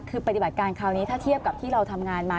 คือปฏิบัติการคราวนี้ถ้าเทียบกับที่เราทำงานมา